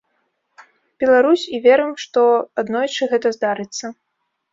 Беларусь і верым, што аднойчы гэта здарыцца.